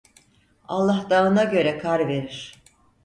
Allah dağına göre kar verir.